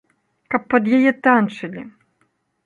Каб пад яе танчылі!